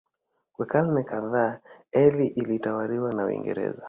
Kwa karne kadhaa Eire ilitawaliwa na Uingereza.